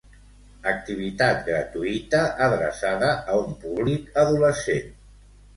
Activitat gratuïta adreçada a un públic adolescent.